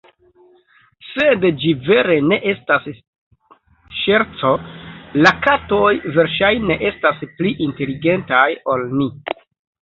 Sed ĝi vere ne estas ŝerco, la katoj versaĵne estas pli inteligentaj ol ni.